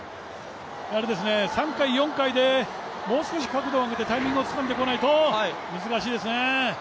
３回、４回でもう少し角度を上げてタイミングを上げてこないと難しいですね。